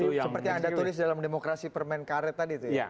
seperti yang anda tulis dalam demokrasi permen karet tadi itu ya